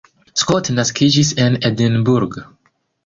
Scott naskiĝis en Edinburgh.